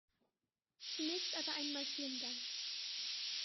Zunächst aber einmal vielen Dank.